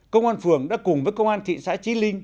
công an phường đã cùng với công an thị xã chí ly